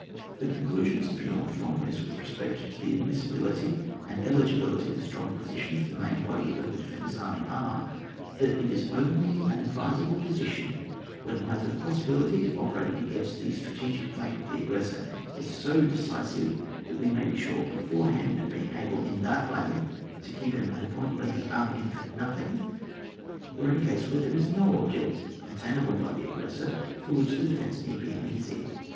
The conclusions to be drawn from this with respect to the admissibility and eli gibility of a strong position for the main body of the defender's army are, that it is only an advisable position when either the possibility of operating eigainst the strategic fiank of the aggressor is so deci sive that we may be sure beforehand of being able in that way to keep him at a point where his army can effect nothing, or in a case where there is no object at tainable by the aggressor for wluch the defence need be uneasy.